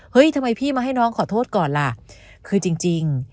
ทำไมพี่มาให้น้องขอโทษก่อนล่ะคือจริง